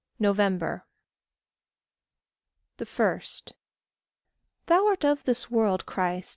NOVEMBER 1. THOU art of this world, Christ.